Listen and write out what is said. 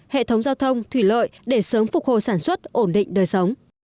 hệ thống giao thông thủy lợi để sớm phục hồi sản xuất ổn định đời sống